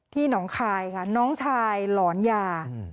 หนองคายค่ะน้องชายหลอนยา